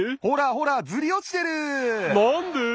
ほらほらずりおちてる。